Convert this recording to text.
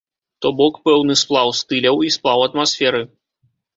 То бок пэўны сплаў стыляў і сплаў атмасферы.